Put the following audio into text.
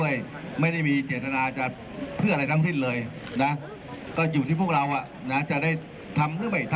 อย่ามาบอกว่าเลือดถือทอบอำนาจอำเนิด